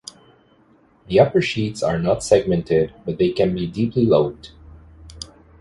The upper sheets are not segmented but they can be deeply lobed.